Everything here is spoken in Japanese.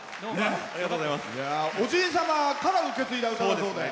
おじい様から受け継いだ歌だそうで。